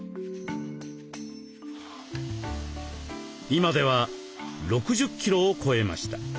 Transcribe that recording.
今では６０キロを超えました。